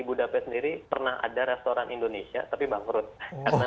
sudah merasakan kerinduan terhadap masakan indonesia apakah juga berkumpul sama teman teman yang lainnya